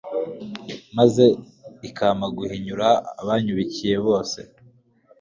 maze ikampa guhinyura abanyubikiye bose